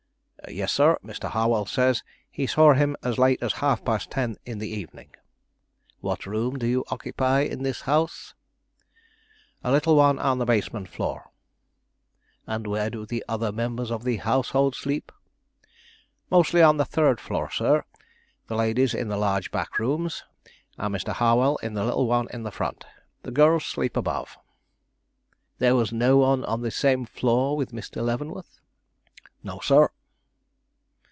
"Yes, sir; Mr. Harwell says he saw him as late as half past ten in the evening." "What room do you occupy in this house?" "A little one on the basement floor." "And where do the other members of the household sleep?" "Mostly on the third floor, sir; the ladies in the large back rooms, and Mr. Harwell in the little one in front. The girls sleep above." "There was no one on the same floor with Mr. Leavenworth?" "No, sir."